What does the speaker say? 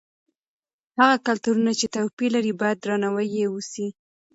هغه کلتورونه چې توپیر لري باید درناوی یې وسي.